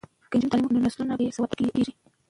که نجونې تعلیم وکړي نو نسلونه نه بې سواده کیږي.